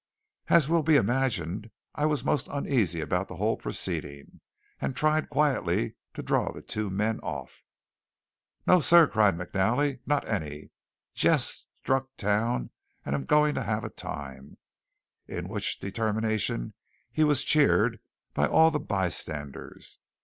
As will be imagined, I was most uneasy about the whole proceeding, and tried quietly to draw the two men off. "No, sir!" cried McNally, "not any! Jes' struck town, and am goin' to have a time!" in which determination he was cheered by all the bystanders.